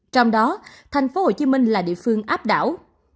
trong đó tp hcm là địa phương áp đảo